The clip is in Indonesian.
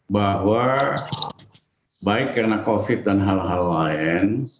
bahwa baik karena covid dan hal hal lain